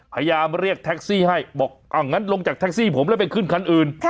พยายามเรียกแท็กซี่ให้บอกอ้าวงั้นลงจากแท็กซี่ผมแล้วไปขึ้นคันอื่น